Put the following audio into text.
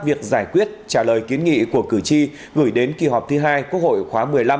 việc giải quyết trả lời kiến nghị của cử tri gửi đến kỳ họp thứ hai quốc hội khóa một mươi năm